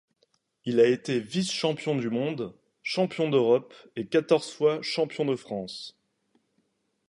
Il a été vice-champion du monde, champion d’Europe et quatorze fois champion de France.